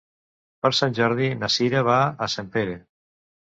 Per Sant Jordi na Sira va a Sempere.